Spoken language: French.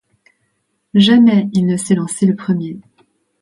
Jamais il ne s’élançait le premier.